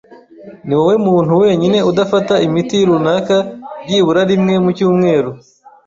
Niwowe muntu wenyine udafata imiti runaka byibura rimwe mu cyumweru